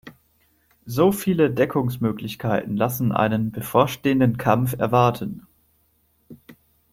So viele Deckungsmöglichkeiten lassen einen bevorstehenden Kampf erwarten.